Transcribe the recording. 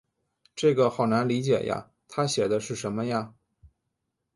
这个好难理解呀，她写的是什么呀？